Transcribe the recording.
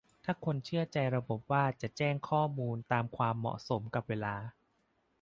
ถ้าคนเชื่อใจระบบว่าจะแจ้งข้อมูลตามความเหมาะสมกับเวลา